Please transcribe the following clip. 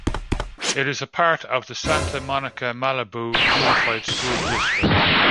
It is a part of the Santa Monica-Malibu Unified School District.